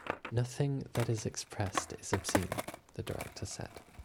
"Nothing that is expressed is obscene," the director said.